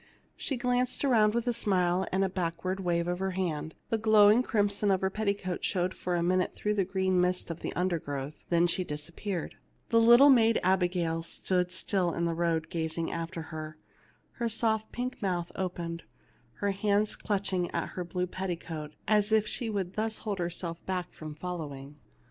She glanced around with a smile and a backward wave of her hand ; the glowing crimson of her petticoat showed for a minute through the green mist of the under growth ; then she disappeared. The little maid Abigail stood still in the road, gazing after her, her soft pink mouth open, her hands clutching at her blue petticoat, as if she would thus hold herself back from following.